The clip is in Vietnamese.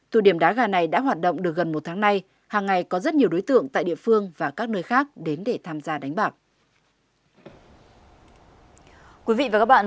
tụ điểm đá gà này đã hoạt động được gần một tháng nay hàng ngày có rất nhiều đối tượng tại địa phương và các nơi khác đến để tham gia đánh bạc